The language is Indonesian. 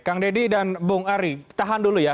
kang deddy dan bung ari tahan dulu ya